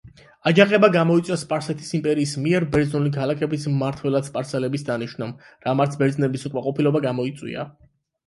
აჯანყება გამოიწვია სპარსეთის იმპერიის მიერ ბერძნული ქალაქების მმართველად სპარსელების დანიშვნამ, რამაც ბერძნების უკმაყოფილება გამოიწვია.